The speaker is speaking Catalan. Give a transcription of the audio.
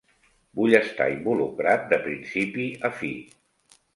Vull estar involucrat de principi a fi.